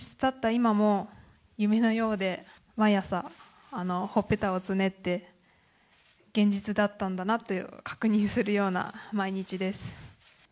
今も夢のようで、毎朝、ほっぺたをつねって、現実だったんだなという、確認するような毎日です。